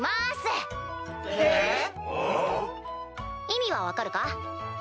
意味は分かるか？